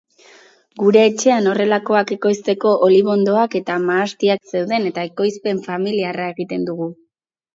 Gure etxean horrelakoak ekoizteko olibondoak eta mahastiak zeuden eta ekoizpen familiarra egiten dugu.